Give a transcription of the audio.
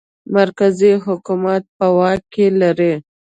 مرکزي حکومت په واک کې لري.